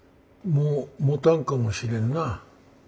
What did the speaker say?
「もうもたんかもしれんな。